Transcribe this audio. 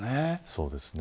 そうですね。